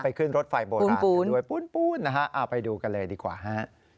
ขึ้นรถไฟโบราณกันด้วยปูนนะฮะเอาไปดูกันเลยดีกว่าฮะ